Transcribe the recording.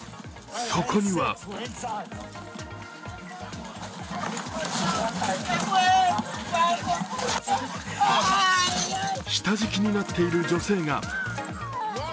そこには下敷きになっている女性が。